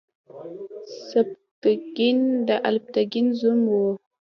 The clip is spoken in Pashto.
سبکتګین د الپتکین زوم و.